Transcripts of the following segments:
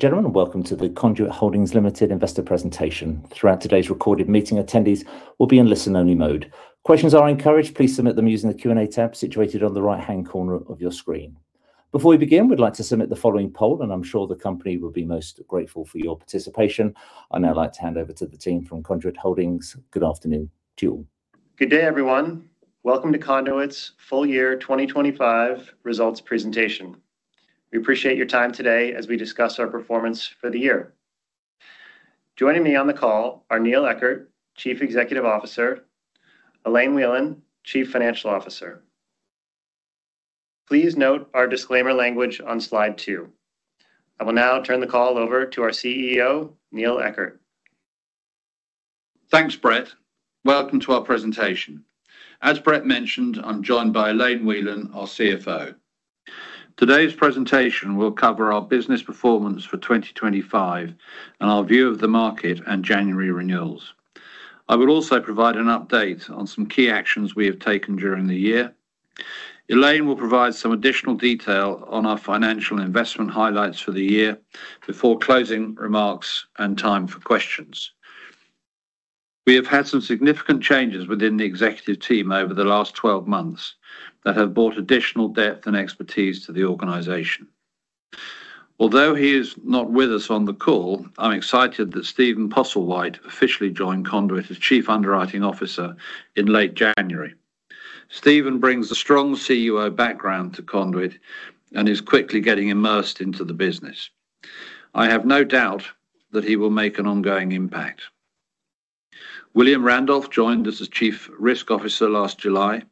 Gentlemen, welcome to the Conduit Holdings Limited investor presentation. Throughout today's recorded meeting, attendees will be in listen-only mode. Questions are encouraged. Please submit them using the Q&A tab situated on the right-hand corner of your screen. Before we begin, we'd like to submit the following poll, and I'm sure the company will be most grateful for your participation. I'd now like to hand over to the team from Conduit Holdings. Good afternoon to you all. Good day, everyone. Welcome to Conduit's full year 2025 results presentation. We appreciate your time today as we discuss our performance for the year. Joining me on the call are Neil Eckert, Chief Executive Officer, Elaine Whelan, Chief Financial Officer. Please note our disclaimer language on slide two. I will now turn the call over to our CEO Neil Eckert. Thanks, Brett. Welcome to our presentation. As Brett mentioned, I'm joined by Elaine Whelan, our CFO. Today's presentation will cover our business performance for 2025 and our view of the market and January renewals. I will also provide an update on some key actions we have taken during the year. Elaine will provide some additional detail on our financial investment highlights for the year before closing remarks and time for questions. We have had some significant changes within the executive team over the last 12 months that have brought additional depth and expertise to the organization. Although he is not with us on the call, I'm excited that Stephen Postlewhite officially joined Conduit as Chief Underwriting Officer in late January. Stephen brings a strong CUO background to Conduit and is quickly getting immersed into the business. I have no doubt that he will make an ongoing impact. William Randolph joined us as Chief Risk Officer last July.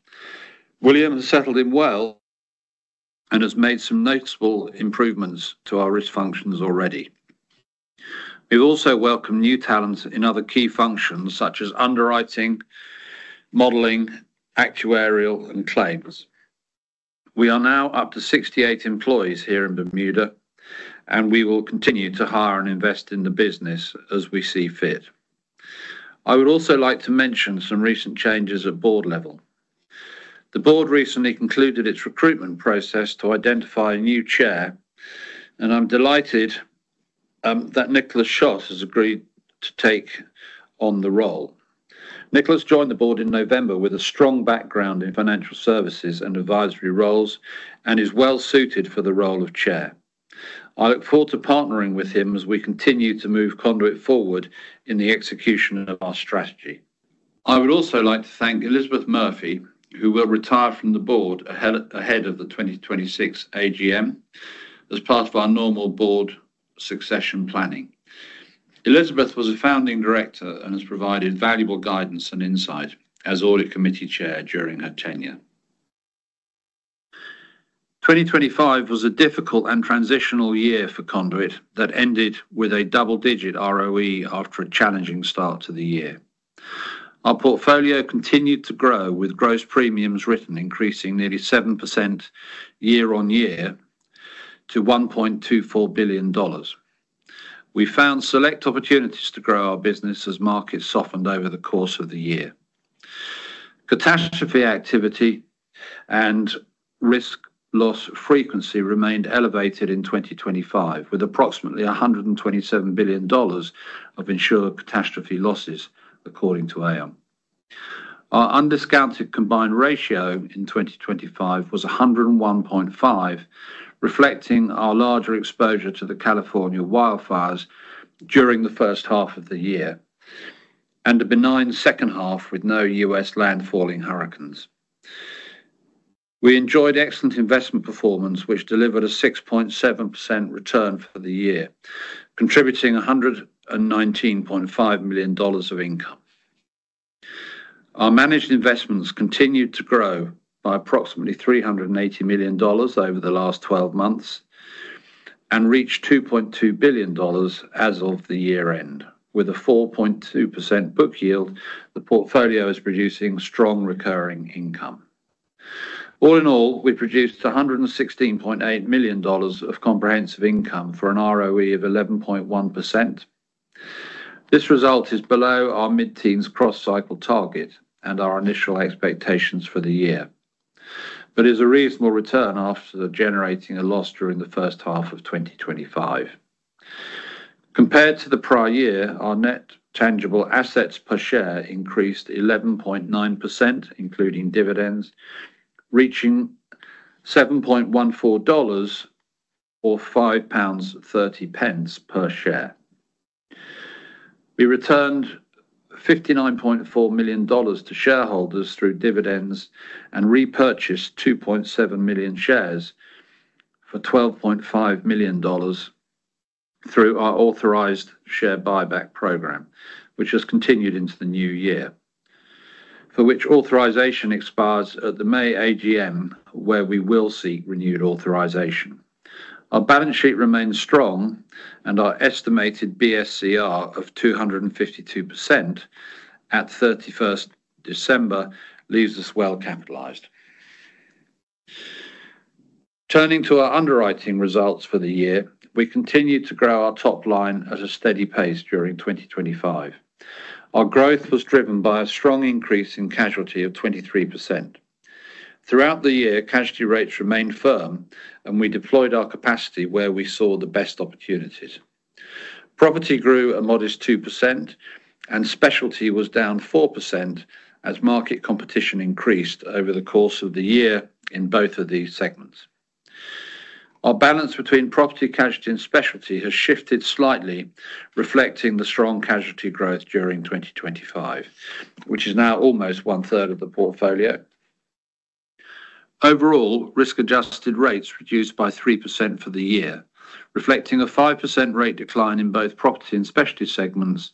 William has settled in well and has made some noticeable improvements to our risk functions already. We've also welcomed new talent in other key functions such as underwriting, modeling, actuarial, and claims. We are now up to 68 employees here in Bermuda, and we will continue to hire and invest in the business as we see fit. I would also like to mention some recent changes at board level. The board recently concluded its recruitment process to identify a new chair, and I'm delighted that Nicholas Shott has agreed to take on the role. Nicholas joined the board in November with a strong background in financial services and advisory roles and is well suited for the role of chair. I look forward to partnering with him as we continue to move Conduit forward in the execution of our strategy. I would also like to thank Elizabeth Murphy, who will retire from the board ahead of the 2026 AGM as part of our normal board succession planning. Elizabeth was a founding director and has provided valuable guidance and insight as Audit Committee Chair during her tenure. 2025 was a difficult and transitional year for Conduit that ended with a double-digit ROE after a challenging start to the year. Our portfolio continued to grow, with gross premiums written increasing nearly 7% year-on-year to $1.24 billion. We found select opportunities to grow our business as markets softened over the course of the year. Catastrophe activity and risk loss frequency remained elevated in 2025, with approximately $127 billion of insured catastrophe losses, according to Aon. Our undiscounted combined ratio in 2025 was 101.5, reflecting our larger exposure to the California wildfires during the first half of the year and a benign second half with no U.S. landfalling hurricanes. We enjoyed excellent investment performance, which delivered a 6.7% return for the year, contributing $119.5 million of income. Our managed investments continued to grow by approximately $380 million over the last twelve months and reached $2.2 billion as of the year-end. With a 4.2% book yield, the portfolio is producing strong recurring income. All in all, we produced $116.8 million of comprehensive income for an ROE of 11.1%. This result is below our mid-teens cross cycle target and our initial expectations for the year, but is a reasonable return after generating a loss during the first half of 2025. Compared to the prior year, our net tangible assets per share increased 11.9%, including dividends, reaching $7.14 or 5.30 pounds per share. We returned $59.4 million to shareholders through dividends and repurchased 2.7 million shares for $12.5 million through our authorized share buyback program, which has continued into the new year, for which authorization expires at the May AGM, where we will seek renewed authorization. Our balance sheet remains strong, and our estimated BSCR of 252% at 31st December leaves us well capitalized. Turning to our underwriting results for the year, we continued to grow our top line at a steady pace during 2025. Our growth was driven by a strong increase in casualty of 23%. Throughout the year, casualty rates remained firm, and we deployed our capacity where we saw the best opportunities. Property grew a modest 2%, and specialty was down 4% as market competition increased over the course of the year in both of these segments. Our balance between property, casualty, and specialty has shifted slightly, reflecting the strong casualty growth during 2025, which is now almost one-third of the portfolio. Overall, risk-adjusted rates reduced by 3% for the year, reflecting a 5% rate decline in both property and specialty segments,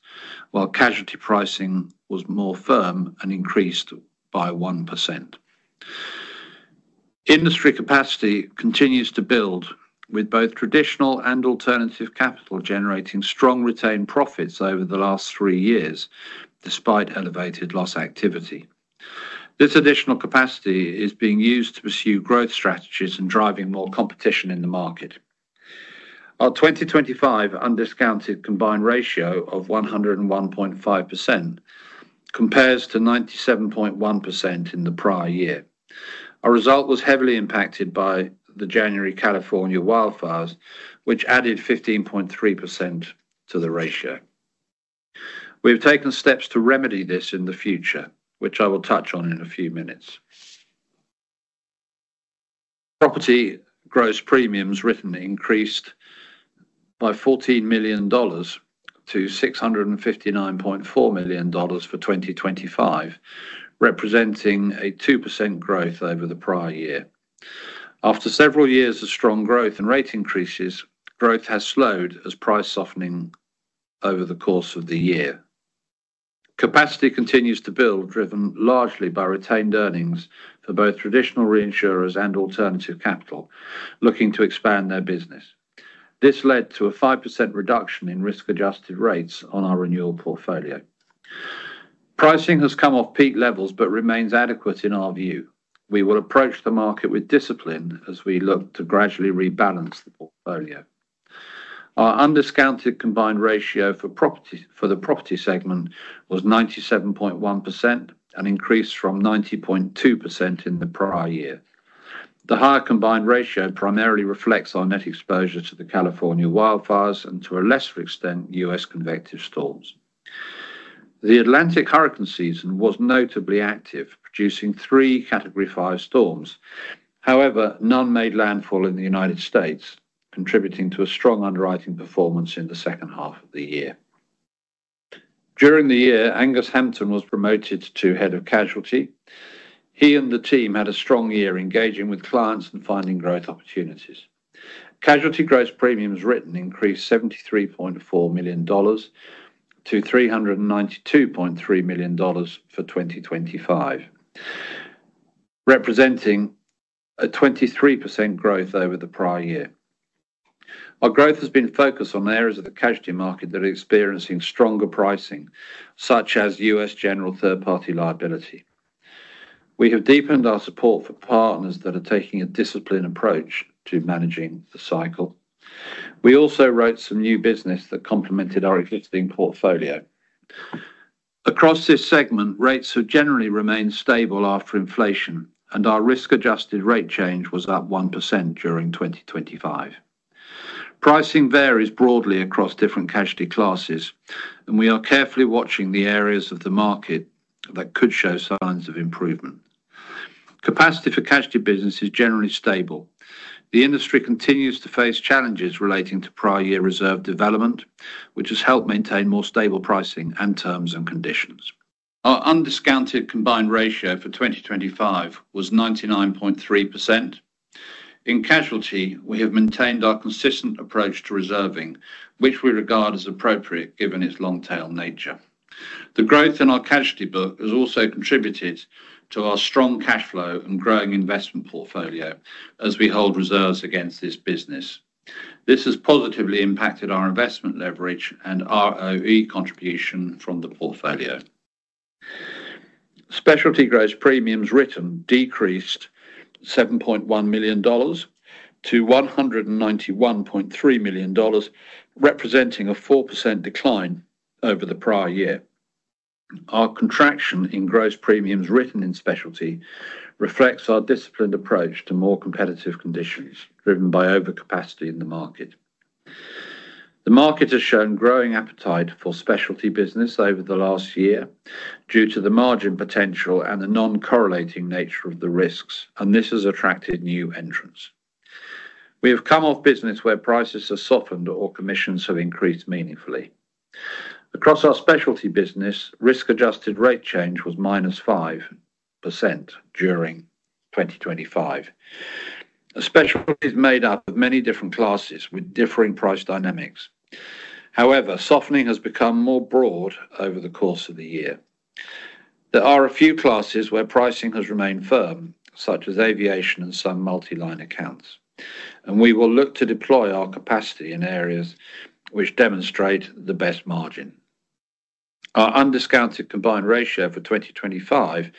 while casualty pricing was more firm and increased by 1%. Industry capacity continues to build, with both traditional and alternative capital generating strong retained profits over the last three years, despite elevated loss activity. This additional capacity is being used to pursue growth strategies and driving more competition in the market. Our 2025 undiscounted combined ratio of 101.5% compares to 97.1% in the prior year. Our result was heavily impacted by the January California wildfires, which added 15.3% to the ratio. We have taken steps to remedy this in the future, which I will touch on in a few minutes. Property gross premiums written increased by $14 million-$659.4 million for 2025, representing a 2% growth over the prior year. After several years of strong growth and rate increases, growth has slowed as price softening over the course of the year. Capacity continues to build, driven largely by retained earnings for both traditional reinsurers and alternative capital looking to expand their business. This led to a 5% reduction in risk-adjusted rates on our renewal portfolio. Pricing has come off peak levels, but remains adequate in our view. We will approach the market with discipline as we look to gradually rebalance the portfolio. Our undiscounted combined ratio for the property segment was 97.1%, an increase from 90.2% in the prior year. The higher combined ratio primarily reflects our net exposure to the California wildfires and, to a lesser extent, U.S. convective storms. The Atlantic hurricane season was notably active, producing three Category Five storms. However, none made landfall in the United States, contributing to a strong underwriting performance in the second half of the year. During the year, Angus Hampton was promoted to Head of Casualty. He and the team had a strong year engaging with clients and finding growth opportunities. Casualty gross premiums written increased $73.4 million-$392.3 million for 2025, representing a 23% growth over the prior year. Our growth has been focused on areas of the casualty market that are experiencing stronger pricing, such as U.S. general third-party liability. We have deepened our support for partners that are taking a disciplined approach to managing the cycle. We also wrote some new business that complemented our existing portfolio. Across this segment, rates have generally remained stable after inflation, and our risk-adjusted rate change was up 1% during 2025. Pricing varies broadly across different casualty classes, and we are carefully watching the areas of the market that could show signs of improvement. Capacity for casualty business is generally stable. The industry continues to face challenges relating to prior year reserve development, which has helped maintain more stable pricing and terms and conditions. Our undiscounted combined ratio for 2025 was 99.3%. In casualty, we have maintained our consistent approach to reserving, which we regard as appropriate, given its long-tail nature. The growth in our casualty book has also contributed to our strong cash flow and growing investment portfolio as we hold reserves against this business. This has positively impacted our investment leverage and ROE contribution from the portfolio. Specialty gross premiums written decreased $7.1 million-$191.3 million, representing a 4% decline over the prior year. Our contraction in gross premiums written in specialty reflects our disciplined approach to more competitive conditions, driven by overcapacity in the market. The market has shown growing appetite for specialty business over the last year due to the margin potential and the non-correlating nature of the risks, and this has attracted new entrants. We have come off business where prices have softened or commissions have increased meaningfully. Across our specialty business, risk-adjusted rate change was minus 5% during 2025. A specialty is made up of many different classes with differing price dynamics. However, softening has become more broad over the course of the year. There are a few classes where pricing has remained firm, such as aviation and some multi-line accounts, and we will look to deploy our capacity in areas which demonstrate the best margin. Our undiscounted combined ratio for 2025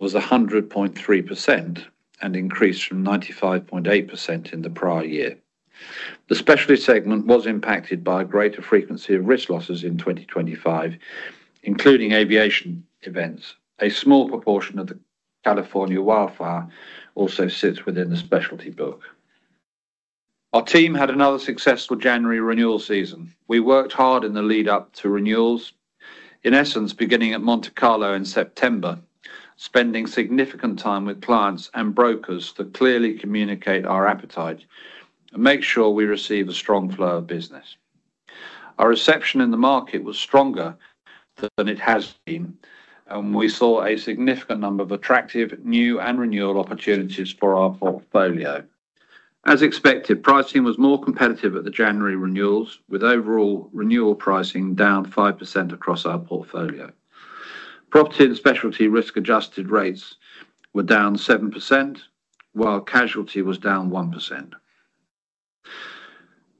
was 100.3% and increased from 95.8% in the prior year. The specialty segment was impacted by a greater frequency of risk losses in 2025, including aviation events. A small proportion of the California wildfire also sits within the specialty book. Our team had another successful January renewal season. We worked hard in the lead up to renewals, in essence, beginning at Monte Carlo in September, spending significant time with clients and brokers to clearly communicate our appetite and make sure we receive a strong flow of business. Our reception in the market was stronger than it has been, and we saw a significant number of attractive new and renewal opportunities for our portfolio. As expected, pricing was more competitive at the January renewals, with overall renewal pricing down 5% across our portfolio. Property and specialty risk-adjusted rates were down 7%, while casualty was down 1%.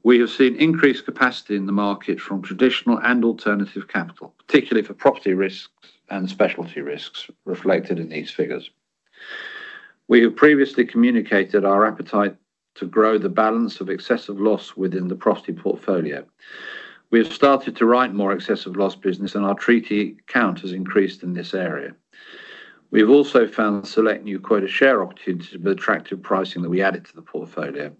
We have seen increased capacity in the market from traditional and alternative capital, particularly for property risks and specialty risks reflected in these figures. We have previously communicated our appetite to grow the balance of excess of loss within the property portfolio. We have started to write more excess of loss business, and our treaty count has increased in this area. We've also found select new quota share opportunities with attractive pricing that we added to the portfolio.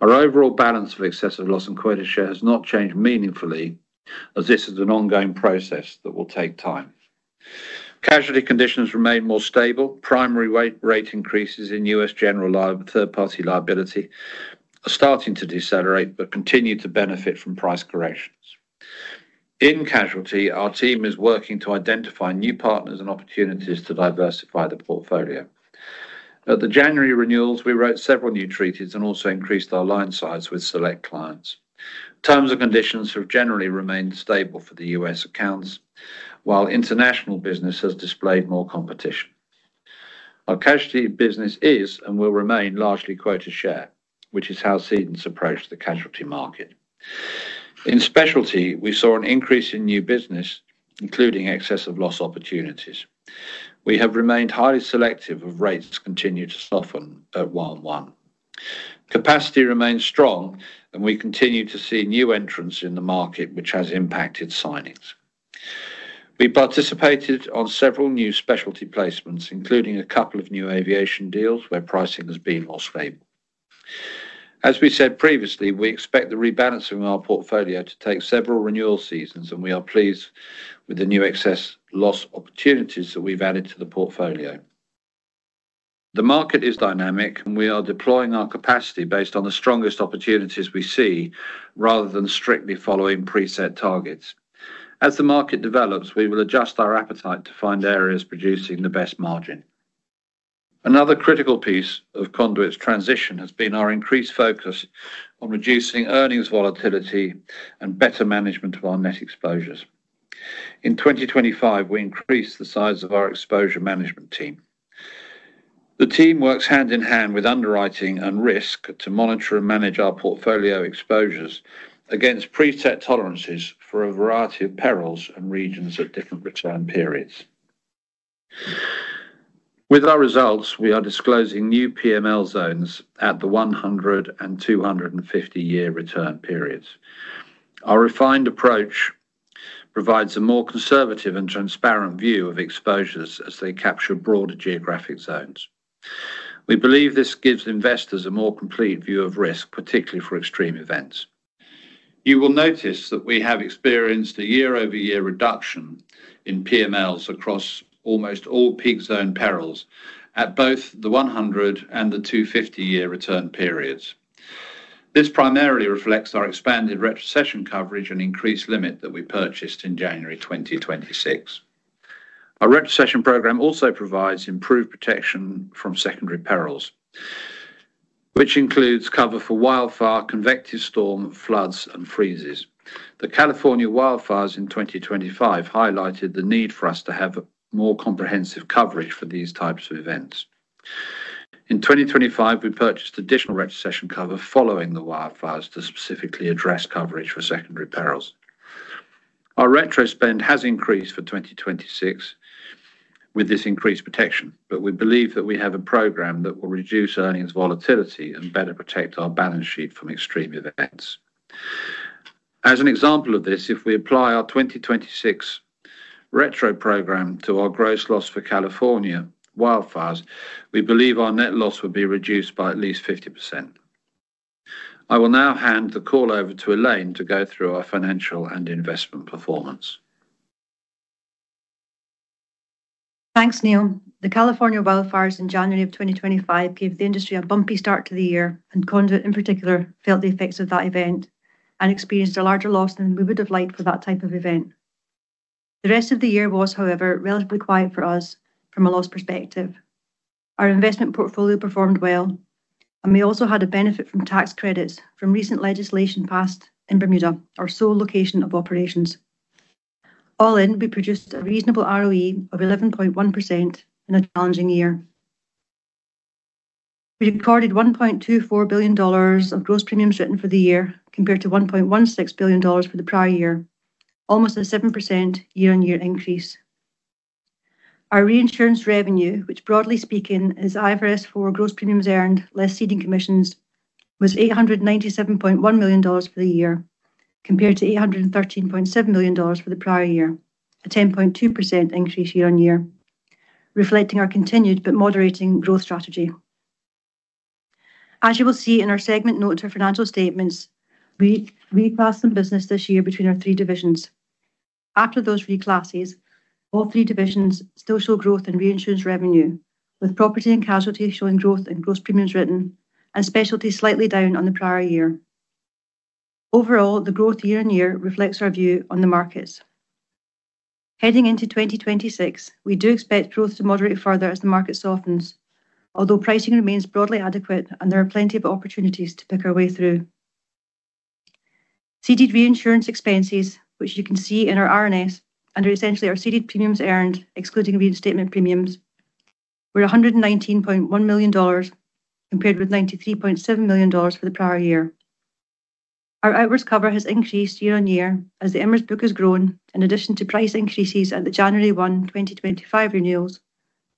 Our overall balance of excess of loss and quota share has not changed meaningfully, as this is an ongoing process that will take time. Casualty conditions remain more stable. Primary rate, rate increases in U.S. general third-party liability are starting to decelerate but continue to benefit from price corrections. In casualty, our team is working to identify new partners and opportunities to diversify the portfolio. At the January renewals, we wrote several new treaties and also increased our line size with select clients. Terms and conditions have generally remained stable for the U.S. accounts, while international business has displayed more competition. Our casualty business is, and will remain largely quota share, which is how cedants approach the casualty market. In specialty, we saw an increase in new business, including excess of loss opportunities. We have remained highly selective as rates continue to soften at 1.1. Capacity remains strong, and we continue to see new entrants in the market, which has impacted signings. We participated on several new specialty placements, including a couple of new aviation deals where pricing has been more stable. As we said previously, we expect the rebalancing of our portfolio to take several renewal seasons, and we are pleased with the new excess loss opportunities that we've added to the portfolio. The market is dynamic, and we are deploying our capacity based on the strongest opportunities we see, rather than strictly following preset targets. As the market develops, we will adjust our appetite to find areas producing the best margin. Another critical piece of Conduit's transition has been our increased focus on reducing earnings volatility and better management of our net exposures. In 2025, we increased the size of our exposure management team. The team works hand in hand with underwriting and risk to monitor and manage our portfolio exposures against preset tolerances for a variety of perils and regions at different return periods. With our results, we are disclosing new PML zones at the 100 and 250 year return periods. Our refined approach provides a more conservative and transparent view of exposures as they capture broader geographic zones. We believe this gives investors a more complete view of risk, particularly for extreme events. You will notice that we have experienced a year-over-year reduction in PMLs across almost all peak zone perils at both the 100 and the 250 year return periods. This primarily reflects our expanded retrocession coverage and increased limit that we purchased in January 2026. Our retrocession program also provides improved protection from secondary perils, which includes cover for wildfire, convective storm, floods, and freezes. The California wildfires in 2025 highlighted the need for us to have a more comprehensive coverage for these types of events. In 2025, we purchased additional retrocession cover following the wildfires to specifically address coverage for secondary perils. Our retro spend has increased for 2026 with this increased protection, but we believe that we have a program that will reduce earnings volatility and better protect our balance sheet from extreme events. As an example of this, if we apply our 2026 retro program to our gross loss for California wildfires, we believe our net loss would be reduced by at least 50%. I will now hand the call over to Elaine to go through our financial and investment performance. Thanks, Neil. The California wildfires in January 2025 gave the industry a bumpy start to the year, and Conduit, in particular felt the effects of that event and experienced a larger loss than we would have liked for that type of event. The rest of the year was, however, relatively quiet for us from a loss perspective. Our investment portfolio performed well, and we also had a benefit from tax credits from recent legislation passed in Bermuda, our sole location of operations. All in, we produced a reasonable ROE of 11.1% in a challenging year. We recorded $1.24 billion of gross premiums written for the year, compared to $1.16 billion for the prior year, almost a 7% year-on-year increase. Our reinsurance revenue, which broadly speaking, is IFRS 4 gross premiums earned less ceding commissions, was $897.1 million for the year, compared to $813.7 million for the prior year. A 10.2% increase year-on-year, reflecting our continued but moderating growth strategy. As you will see in our segment note to our financial statements, we reclassed some business this year between our three divisions. After those reclasses, all three divisions still show growth in reinsurance revenue, with property and casualty showing growth in gross premiums written, and specialty slightly down on the prior year. Overall, the growth year-on-year reflects our view on the markets. Heading into 2026, we do expect growth to moderate further as the market softens, although pricing remains broadly adequate and there are plenty of opportunities to pick our way through. Ceded reinsurance expenses, which you can see in our RNS, under essentially our ceded premiums earned, excluding reinstatement premiums, were $119.1 million, compared with $93.7 million for the prior year. Our outwards cover has increased year-on-year as the Emirates book has grown, in addition to price increases at the January 1st, 2025 renewals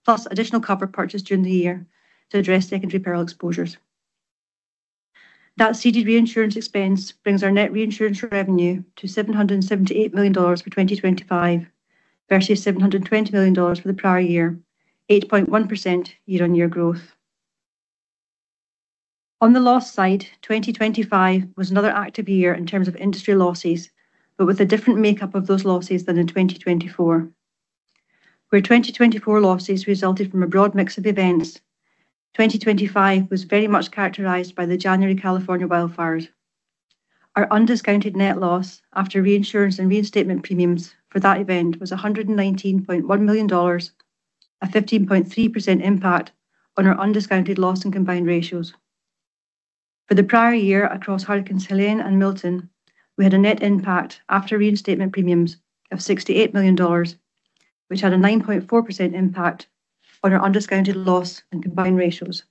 plus additional cover purchased during the year to address secondary peril exposures. That ceded reinsurance expense brings our net reinsurance revenue to $778 million for 2025, versus $720 million for the prior year, 8.1% year-on-year growth. On the loss side, 2025 was another active year in terms of industry losses, but with a different makeup of those losses than in 2024. Where 2024 losses resulted from a broad mix of events, 2025 was very much characterized by the January California wildfires. Our undiscounted net loss after reinsurance and reinstatement premiums for that event was $119.1 million, a 15.3% impact on our undiscounted loss and combined ratios. For the prior year across Hurricane Helene and Milton, we had a net impact after reinstatement premiums of $68 million, which had a 9.4% impact on our undiscounted loss and combined ratios.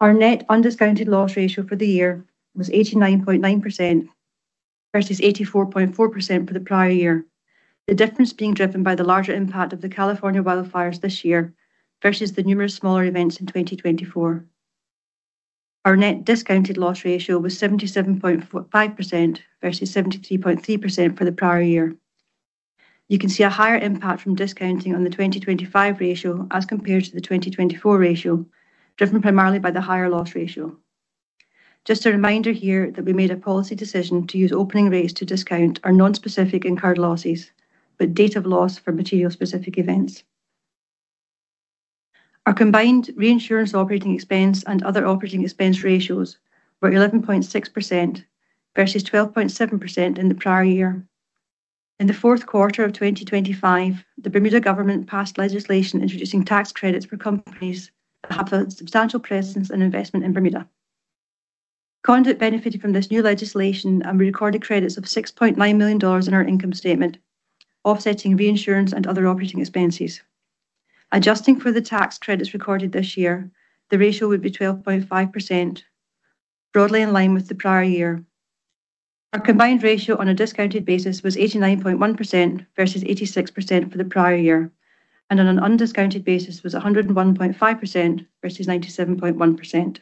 Our net undiscounted loss ratio for the year was 89.9%, versus 84.4% for the prior year. The difference being driven by the larger impact of the California wildfires this year, versus the numerous smaller events in 2024. Our net discounted loss ratio was 77.45% versus 73.3% for the prior year. You can see a higher impact from discounting on the 2025 ratio as compared to the 2024 ratio, driven primarily by the higher loss ratio. Just a reminder here that we made a policy decision to use opening rates to discount our nonspecific incurred losses, but date of loss for material specific events. Our combined reinsurance operating expense and other operating expense ratios were 11.6% versus 12.7% in the prior year. In the fourth quarter of 2025, the Bermuda government passed legislation introducing tax credits for companies that have a substantial presence and investment in Bermuda. Conduit benefited from this new legislation and we recorded credits of $6.9 million in our income statement, offsetting reinsurance and other operating expenses. Adjusting for the tax credits recorded this year, the ratio would be 12.5%, broadly in line with the prior year. Our combined ratio on a discounted basis was 89.1% versus 86% for the prior year, and on an undiscounted basis was 101.5% versus 97.1%.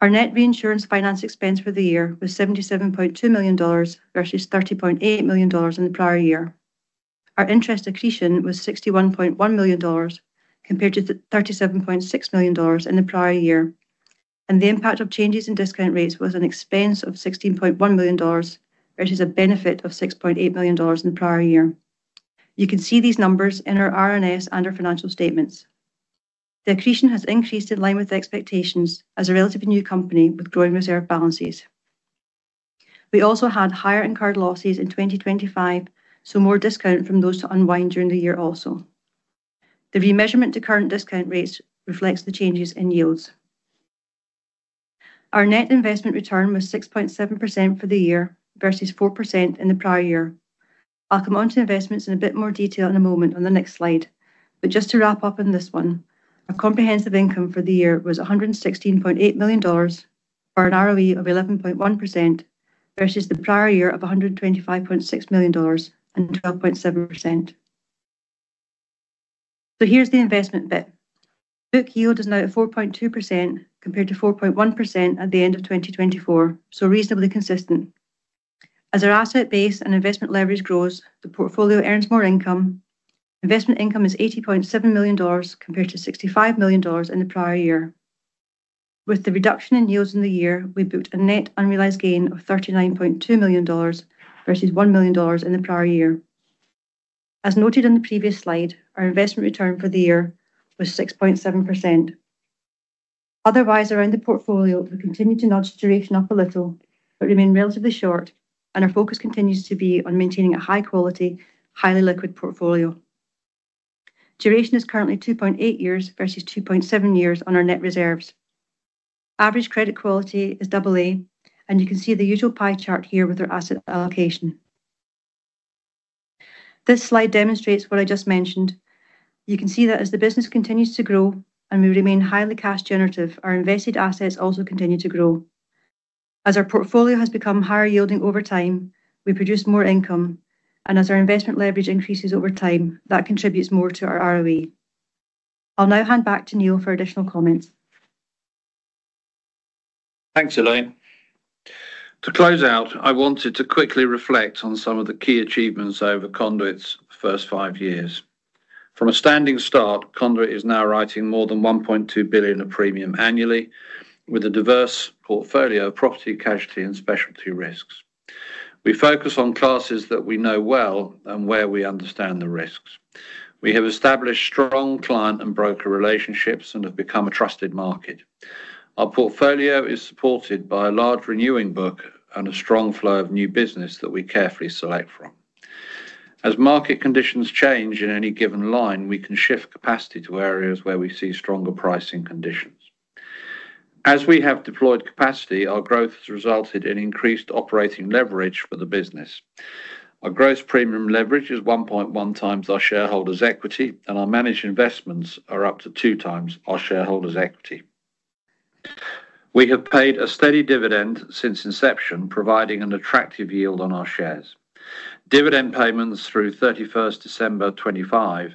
Our net reinsurance finance expense for the year was $77.2 million, versus $30.8 million in the prior year. Our interest accretion was $61.1 million, compared to the $37.6 million in the prior year, and the impact of changes in discount rates was an expense of $16.1 million, which is a benefit of $6.8 million in the prior year. You can see these numbers in our RNS and our financial statements. The accretion has increased in line with the expectations as a relatively new company with growing reserve balances. We also had higher incurred losses in 2025, so more discount from those to unwind during the year also. The remeasurement to current discount rates reflects the changes in yields. Our net investment return was 6.7% for the year, versus 4% in the prior year. I'll come onto investments in a bit more detail in a moment on the next slide, but just to wrap up on this one, our comprehensive income for the year was $116.8 million, for an ROE of 11.1%, versus the prior year of $125.6 million and 12.7%. So here's the investment bit. Book yield is now at 4.2%, compared to 4.1% at the end of 2024, so reasonably consistent. As our asset base and investment leverage grows, the portfolio earns more income. Investment income is $80.7 million, compared to $65 million in the prior year. With the reduction in yields in the year, we booked a net unrealized gain of $39.2 million versus $1 million in the prior year. As noted on the previous slide, our investment return for the year was 6.7%. Otherwise, around the portfolio, we continue to nudge duration up a little, but remain relatively short, and our focus continues to be on maintaining a high quality, highly liquid portfolio. Duration is currently 2.8 years versus 2.7 years on our net reserves. Average credit quality is AA, and you can see the usual pie chart here with our asset allocation. This slide demonstrates what I just mentioned. You can see that as the business continues to grow and we remain highly cash generative, our invested assets also continue to grow. As our portfolio has become higher yielding over time, we produce more income, and as our investment leverage increases over time, that contributes more to our ROE. I'll now hand back to Neil for additional comments. Thanks, Elaine. To close out, I wanted to quickly reflect on some of the key achievements over Conduit's first five years. From a standing start, Conduit is now writing more than $1.2 billion of premium annually, with a diverse portfolio of property, casualty, and specialty risks. We focus on classes that we know well and where we understand the risks. We have established strong client and broker relationships and have become a trusted market. Our portfolio is supported by a large renewing book and a strong flow of new business that we carefully select from. As market conditions change in any given line, we can shift capacity to areas where we see stronger pricing conditions. As we have deployed capacity, our growth has resulted in increased operating leverage for the business. Our gross premium leverage is 1.1 times our shareholders' equity, and our managed investments are up to 2 times our shareholders' equity. We have paid a steady dividend since inception, providing an attractive yield on our shares. Dividend payments through 31st December 2025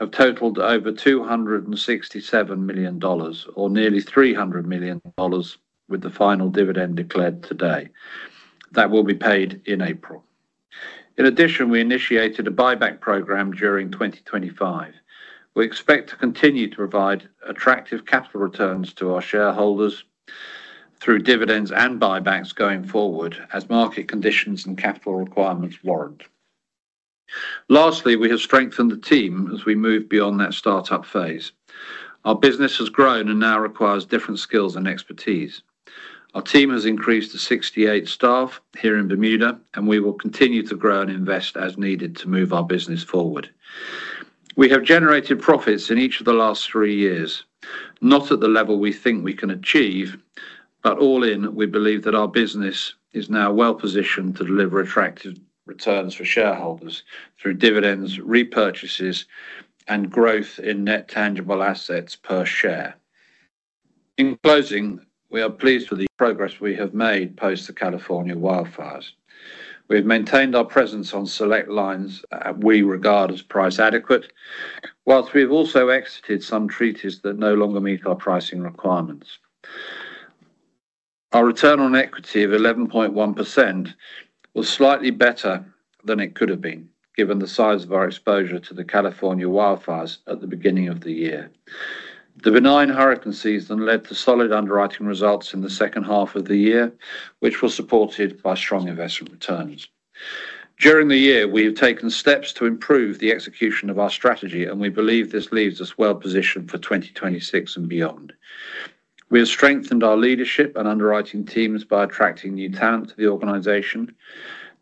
have totaled over $267 million, or nearly $300 million, with the final dividend declared today. That will be paid in April. In addition, we initiated a buyback program during 2025. We expect to continue to provide attractive capital returns to our shareholders through dividends and buybacks going forward as market conditions and capital requirements warrant. Lastly, we have strengthened the team as we move beyond that start-up phase. Our business has grown and now requires different skills and expertise. Our team has increased to 68 staff here in Bermuda, and we will continue to grow and invest as needed to move our business forward. We have generated profits in each of the last three years, not at the level we think we can achieve, but all in, we believe that our business is now well-positioned to deliver attractive returns for shareholders through dividends, repurchases, and growth in net tangible assets per share. In closing, we are pleased with the progress we have made post the California wildfires. We've maintained our presence on select lines, we regard as price adequate, whilst we've also exited some treaties that no longer meet our pricing requirements. Our return on equity of 11.1% was slightly better than it could have been, given the size of our exposure to the California wildfires at the beginning of the year. The benign hurricane season led to solid underwriting results in the second half of the year, which were supported by strong investment returns. During the year, we have taken steps to improve the execution of our strategy, and we believe this leaves us well positioned for 2026 and beyond. We have strengthened our leadership and underwriting teams by attracting new talent to the organization.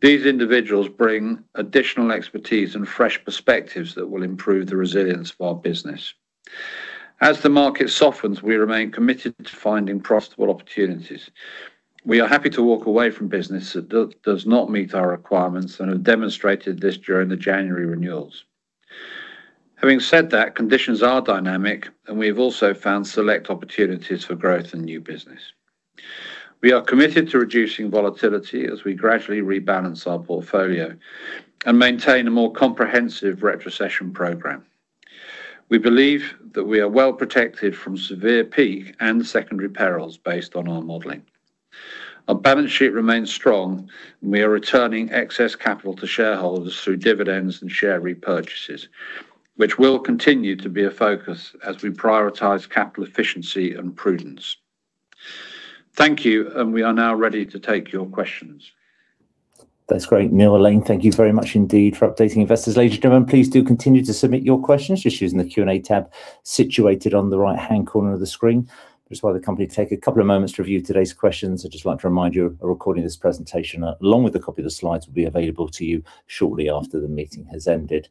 These individuals bring additional expertise and fresh perspectives that will improve the resilience of our business. As the market softens, we remain committed to finding profitable opportunities. We are happy to walk away from business that does not meet our requirements and have demonstrated this during the January renewals. Having said that, conditions are dynamic, and we've also found select opportunities for growth and new business. We are committed to reducing volatility as we gradually rebalance our portfolio and maintain a more comprehensive retrocession program. We believe that we are well protected from severe peak and secondary perils based on our modeling. Our balance sheet remains strong, and we are returning excess capital to shareholders through dividends and share repurchases, which will continue to be a focus as we prioritize capital efficiency and prudence. Thank you, and we are now ready to take your questions. That's great. Neil, Elaine, thank you very much indeed for updating investors. Ladies and gentlemen, please do continue to submit your questions just using the Q&A tab situated on the right-hand corner of the screen. Just while the company take a couple of moments to review today's questions. I just want to remind you, a recording of this presentation, along with a copy of the slides, will be available to you shortly after the meeting has ended.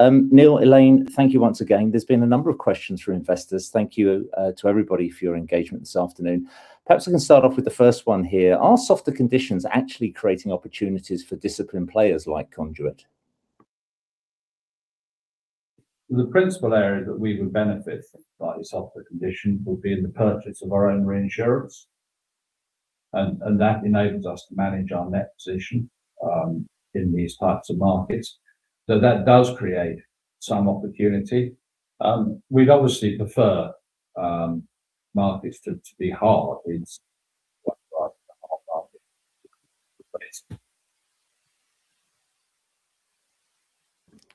Neil, Elaine, thank you once again. There's been a number of questions from investors. Thank you to everybody for your engagement this afternoon. Perhaps I can start off with the first one here: Are softer conditions actually creating opportunities for disciplined players like Conduit? The principal area that we would benefit by softer conditions would be in the purchase of our own reinsurance, and that enables us to manage our net position, in these types of markets. So that does create some opportunity. We'd obviously prefer markets to be hard. It's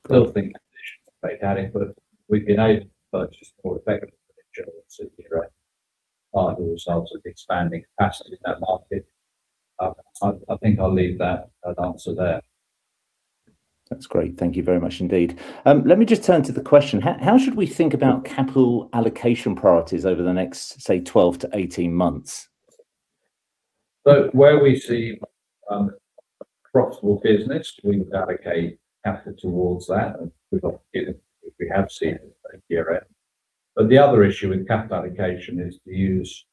still think conditions, but we've enabled purchase more effectively, results of expanding capacity in that market. I think I'll leave that answer there. That's great. Thank you very much indeed. Let me just turn to the question: How should we think about capital allocation priorities over the next, say, 12-18 months? So where we see profitable business, we would allocate capital towards that, and we've got it—we have seen it year end. But the other issue with capital allocation is to use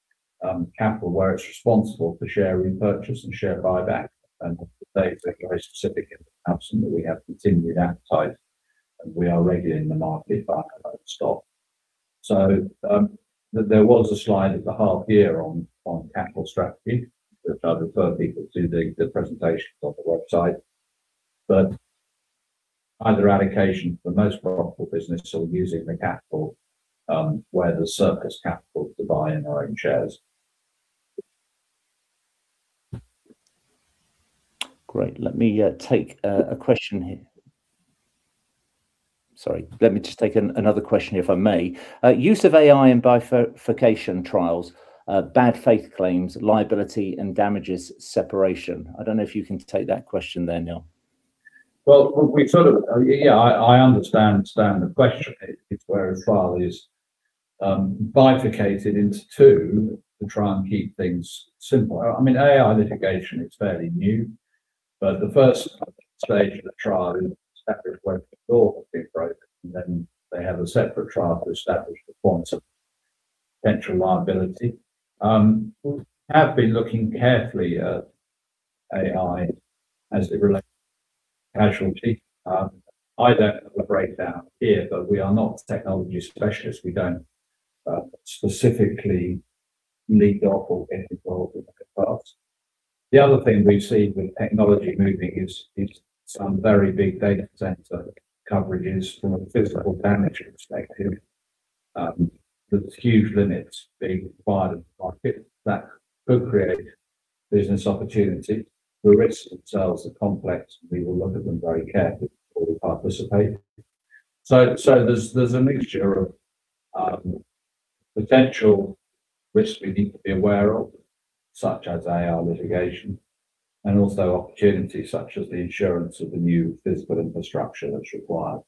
capital where it's responsible for share repurchase and share buyback, and today it's very specific in the sense that we have continued appetite, and we are ready in the market, but stop. So, there was a slide at the half year on capital strategy, which I'd refer people to the presentation on the website. But either allocation for the most profitable business or using the capital, where the surplus capital to buy in our own shares. Great. Let me take a question here. Sorry, let me just take another question, if I may. Use of AI in bifurcation trials, bad faith claims, liability and damages separation. I don't know if you can take that question then, Neil. Well, we sort of, yeah, I understand the question. It's where a trial is bifurcated into two to try and keep things simple. I mean, AI litigation is fairly new, but the first stage of the trial established whether the law has been broken, and then they have a separate trial to establish the forms of potential liability. We have been looking carefully at AI as it relates to casualty, either at the breakdown here, but we are not technology specialists. We don't specifically lead off or get involved in the paths. The other thing we've seen with technology moving is some very big data center coverages from a physical damage perspective. There's huge limits being required in the market that could create business opportunity. The risks themselves are complex, and we will look at them very carefully before we participate. So there's a mixture of potential risks we need to be aware of, such as AI litigation, and also opportunities such as the insurance of the new physical infrastructure that's required.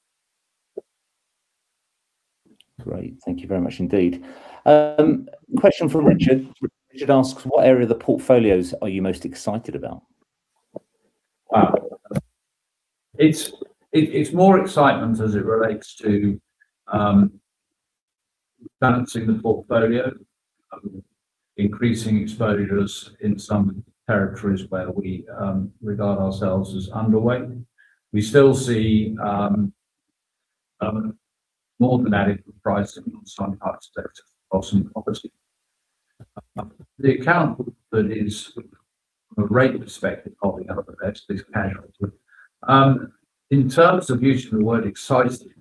Great. Thank you very much indeed. Question from Richard. Richard asks, "What area of the portfolios are you most excited about? Wow! It's more excitement as it relates to balancing the portfolio, increasing exposures in some territories where we regard ourselves as underweight. We still see more than adequate pricing on some parts of the U.S., obviously. The account that is, from a rate perspective, probably one of the best is casualty. In terms of use of the word exciting,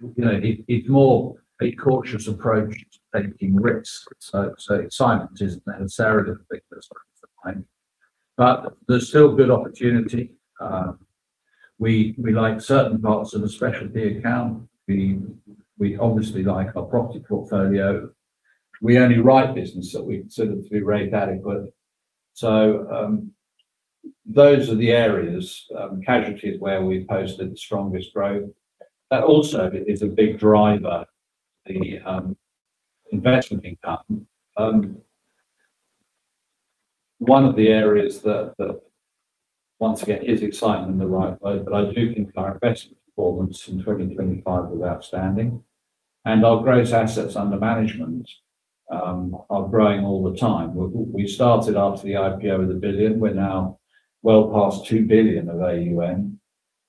you know, it's more a cautious approach to taking risks. So excitement isn't necessarily the thing that's on my mind, but there's still good opportunity. We like certain parts of the specialty account. We obviously like our property portfolio. We only write business that we consider to be rate adequate. So those are the areas, casualties where we've posted the strongest growth, but also it is a big driver, the investment income. One of the areas that once again is exciting in the right way, but I do think our investment performance in 2025 was outstanding, and our gross assets under management are growing all the time. We started after the IPO with $1 billion. We're now well past $2 billion of AUM,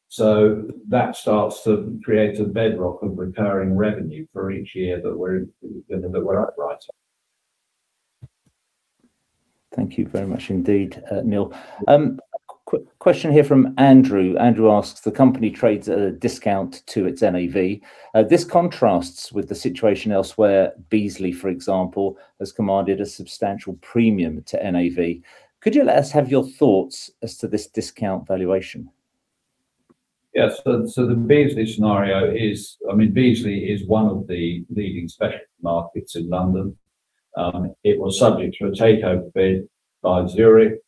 so that starts to create a bedrock of recurring revenue for each year that we're upright. Thank you very much indeed, Neil. Question here from Andrew. Andrew asks, "The company trades at a discount to its NAV. This contrasts with the situation elsewhere. Beazley, for example, has commanded a substantial premium to NAV. Could you let us have your thoughts as to this discount valuation? Yes. So the Beazley scenario is, I mean, Beazley is one of the leading specialty markets in London. It was subject to a takeover bid by Zurich,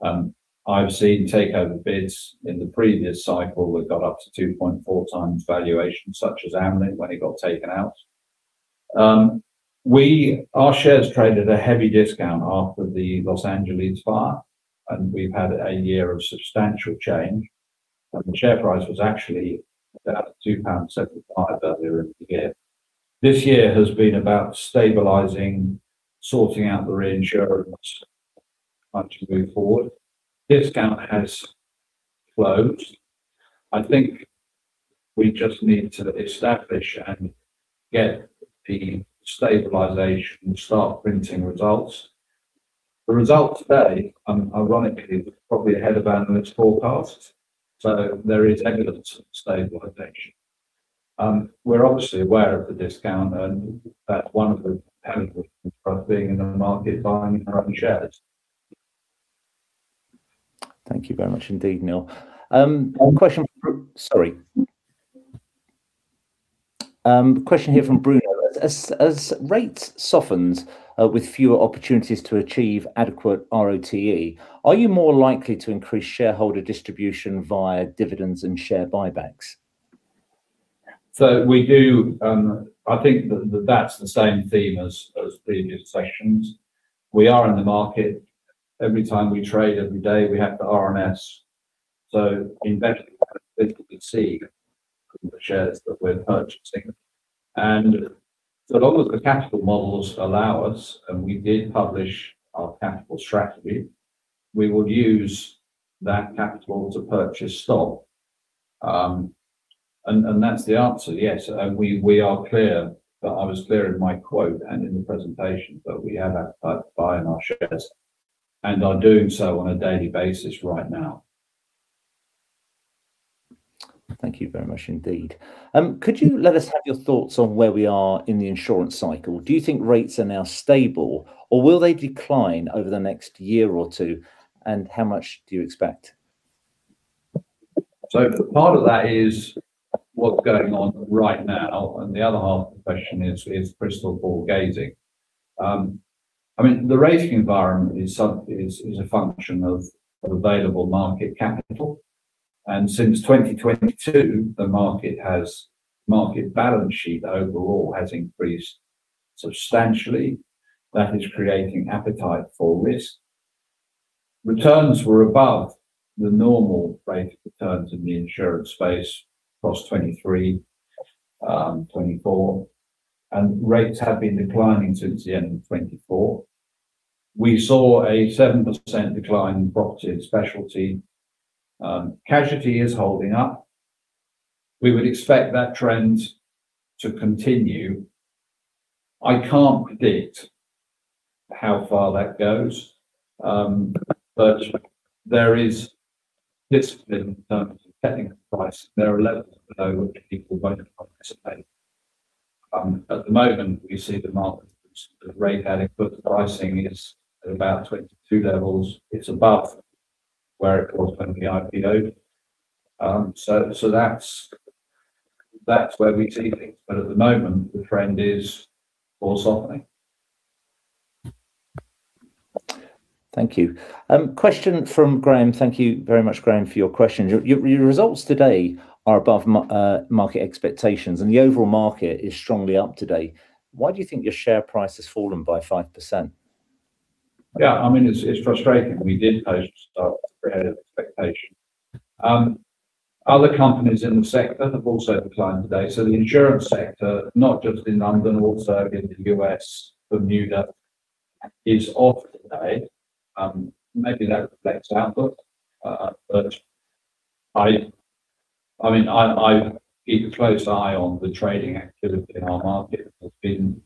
and I've seen takeover bids in the previous cycle that got up to 2.4 times valuation, such as Amlin, when it got taken out. We, our shares traded a heavy discount after the Los Angeles fire, and we've had a year of substantial change, and the share price was actually about 2.75 pound earlier in the year. This year has been about stabilizing, sorting out the reinsurance, and to move forward. Discount has closed. I think we just need to establish and get the stabilization and start printing results. The results today, ironically, are probably ahead of analyst forecasts, so there is evidence of stabilization. We're obviously aware of the discount, and that's one of the benefits of being in the market, buying our own shares. Thank you very much indeed, Neil. One question sorry. Question here from Bruno: as rates softens, with fewer opportunities to achieve adequate ROTE, are you more likely to increase shareholder distribution via dividends and share buybacks? So we do, I think that's the same theme as the intersections. We are in the market. Every time we trade, every day, we have the RNS, so investing, we see the shares that we're purchasing. And so long as the capital models allow us, and we did publish our capital strategy, we would use that capital to purchase stock. And that's the answer, yes. And we are clear that I was clear in my quote and in the presentation, that we are out buying our shares and are doing so on a daily basis right now. Thank you very much indeed. Could you let us have your thoughts on where we are in the insurance cycle? Do you think rates are now stable, or will they decline over the next year or two? And how much do you expect? So part of that is what's going on right now, and the other half of the question is crystal ball gazing. I mean, the rating environment is a function of available market capital, and since 2022, the market balance sheet overall has increased substantially. That is creating appetite for risk. Returns were above the normal rate of returns in the insurance space across 2023, 2024, and rates have been declining since the end of 2024. We saw a 7% decline in property and specialty. Casualty is holding up. We would expect that trend to continue. I can't predict how far that goes, but there is discipline in terms of getting a price. There are levels below which people won't anticipate. At the moment, we see the market rate adequate. Pricing is at about 2022 levels. It's above where it was when we IPO'd. So that's where we see things, but at the moment the trend is all softening. Thank you. Question from Graham. Thank you very much, Graham, for your question. Your results today are above market expectations, and the overall market is strongly up today. Why do you think your share price has fallen by 5%? Yeah, I mean, it's frustrating. We did post ahead of expectation. Other companies in the sector have also declined today. So the insurance sector, not just in London, also in the U.S., Bermuda, is off today. Maybe that reflects our outlook. But I mean, I keep a close eye on the trading activity in our market. There's been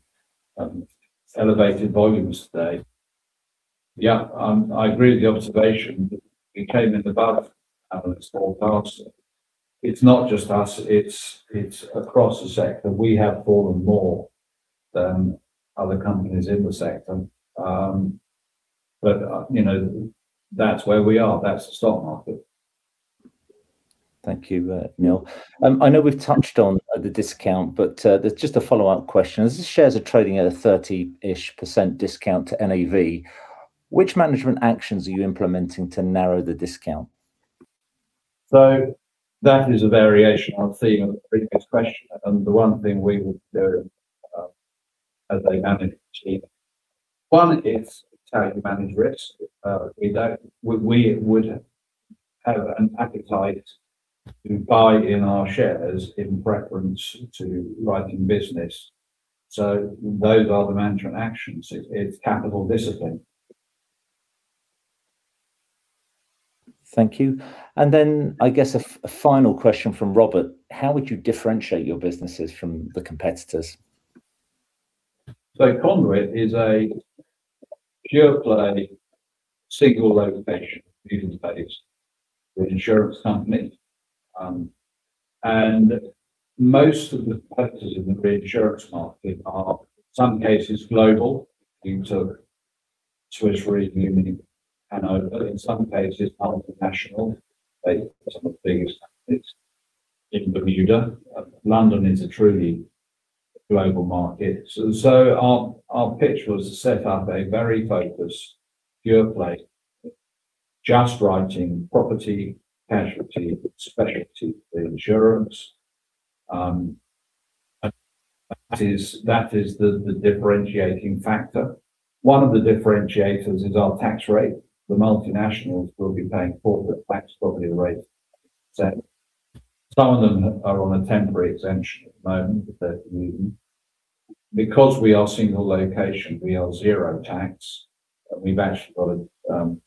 elevated volumes today. Yeah, I agree with the observation that we came in above analyst forecast. It's not just us, it's across the sector. We have fallen more than other companies in the sector. But you know, that's where we are. That's the stock market. Thank you, Neil. I know we've touched on the discount, but just a follow-up question. As the shares are trading at a 30-ish% discount to NAV, which management actions are you implementing to narrow the discount? So that is a variation on the theme of the previous question, and the one thing we would do, as a management team. One is how you manage risk. We would have an appetite to buy in our shares in preference to writing business. So those are the management actions. It's capital discipline. Thank you. And then I guess a final question from Robert: How would you differentiate your businesses from the competitors? Conduit is a pure play, single location, using space with insurance companies. And most of the players in the insurance market are, some cases, global. You can talk Swiss Re, Munich Re, and in some cases, multinational, they are some of the biggest companies in Bermuda. London is a truly global market. So our pitch was to set up a very focused, pure play, just writing property, casualty, specialty insurance. And that is the differentiating factor. One of the differentiators is our tax rate. The multinationals will be paying corporate tax, probably rate. So some of them are on a temporary exemption at the moment, but because we are single location, we are zero tax. We've actually got a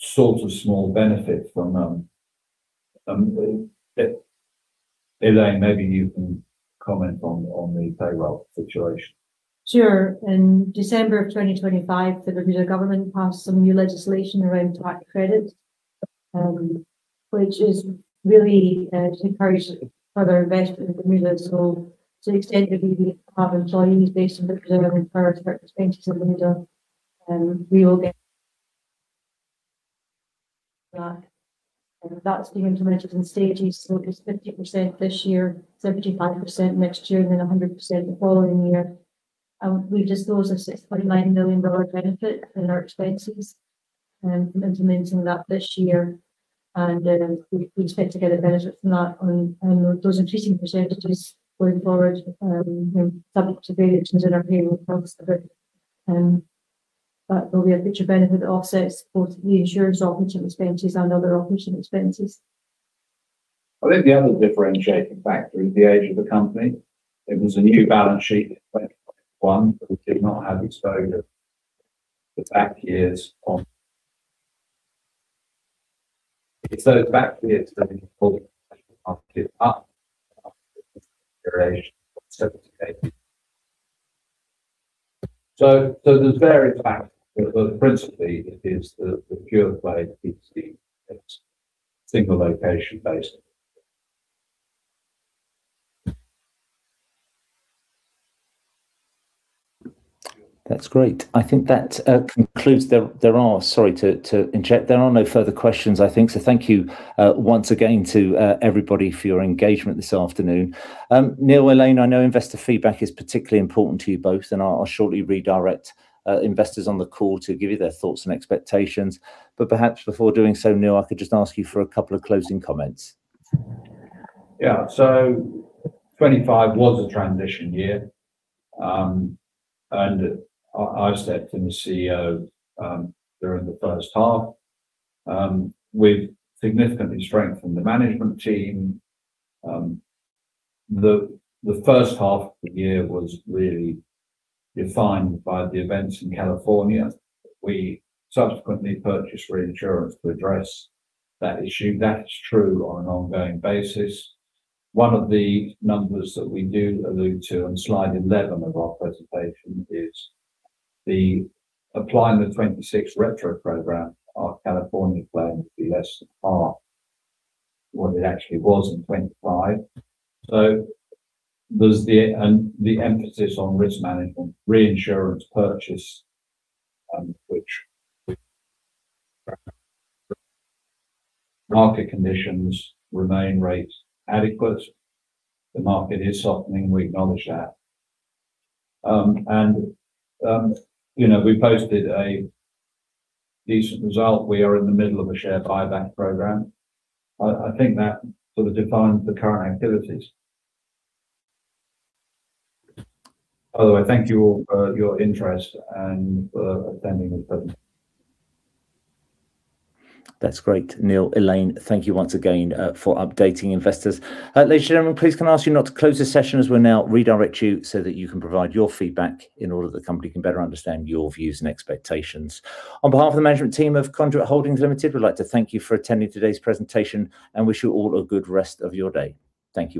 sort of small benefit from them. Elaine, maybe you can comment on the payroll situation. Sure. In December of 2025, the Bermuda government passed some new legislation around tax credits, which is really to encourage further investment in Bermuda. So to the extent that we have employees based in Bermuda, and part of our expenses in Bermuda, we will get that. And that's being implemented in stages. So it's 50% this year, 75% next year, and then 100% the following year. And those are a $6.9 million benefit in our expenses from implementing that this year, and we expect to get a benefit from that on those increasing percentages going forward, subject to variations in our payroll costs. But that will be a future benefit that offsets both the insurance operating expenses and other operating expenses. I think the other differentiating factor is the age of the company. It was a new balance sheet in 2021, but we did not have exposure the back years on. So those back years, then pulled the market up, up 70K. So, so there's various factors, but principally it is the, the pure play is the, it's single location based. That's great. I think that concludes there. Sorry to interject. There are no further questions I think so thank you once again to everybody for your engagement this afternoon. Neil, Elaine, I know investor feedback is particularly important to you both, and I'll shortly redirect investors on the call to give you their thoughts and expectations. But perhaps before doing so Neil, I could just ask you for a couple of closing comments. Yeah. So 2025 was a transition year, and I stepped in as CEO during the first half. We've significantly strengthened the management team. The first half of the year was really defined by the events in California. We subsequently purchased reinsurance to address that issue. That's true on an ongoing basis. One of the numbers that we do allude to on slide 11 of our presentation is the applying the 2026 retro program, our California claim will be less than half what it actually was in 2025. So there's the emphasis on risk management, reinsurance purchase, which market conditions remain rate adequate. The market is softening, we acknowledge that. And you know, we posted a decent result. We are in the middle of a share buyback program. I think that sort of defines the current activities. By the way, thank you all for your interest and for attending the presentation. That's great, Neil. Elaine, thank you once again for updating investors. Ladies and gentlemen, please can I ask you not to close this session as we now redirect you so that you can provide your feedback in order that the company can better understand your views and expectations. On behalf of the management team of Conduit Holdings Limited, we'd like to thank you for attending today's presentation and wish you all a good rest of your day. Thank you.